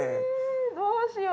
どうしよう。